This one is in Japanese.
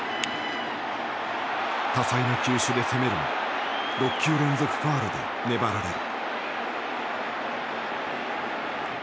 多彩な球種で攻めるも６球連続ファウルで粘られる。